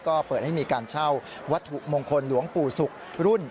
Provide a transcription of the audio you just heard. ก็เปิดให้มีการเช่าวัตถุมงคลหลวงปู่ศุกร์รุ่น